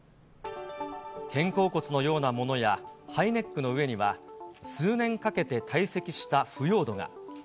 肩甲骨のようなものや、ハイネックの上には、数年かけて堆積した腐葉土が。